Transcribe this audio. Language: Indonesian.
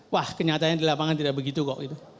wah kenyataannya di lapangan tidak begitu kok